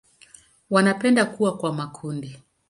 Wanapenda kuwa kwa makundi.